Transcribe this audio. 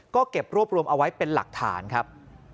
ก็เก็บรวบรวมเอาไว้เป็นหลักฐานครับ